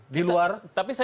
di luar pemerintahan